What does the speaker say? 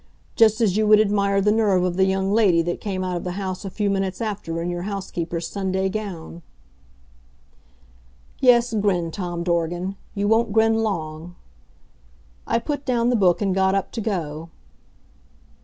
Just as you would admire the nerve of the young lady that came out of the house a few minutes after in your housekeeper's Sunday gown." Yes, grin, Torn Dorgan. You won't grin long. I put down the book and got up to go.